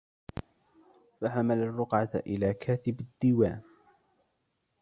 فَحَمَلَ الرُّقْعَةَ إلَى كَاتِبِ الدِّيوَانِ